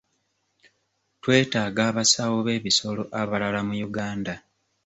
Twetaaga abasawo b'ebisolo abalala mu Uganda.